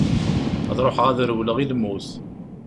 Ad ruḥeγ ad rewleγ i lmut.